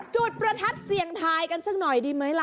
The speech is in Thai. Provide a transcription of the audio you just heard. จุดประทัดเสี่ยงทายกันสักหน่อยดีไหมล่ะ